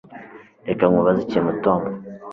Reka nkubaze ikintu Tom